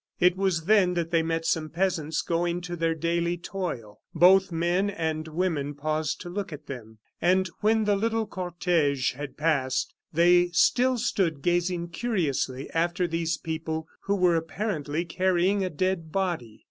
It was then that they met some peasants going to their daily toil. Both men and women paused to look at them, and when the little cortege had passed they still stood gazing curiously after these people who were apparently carrying a dead body.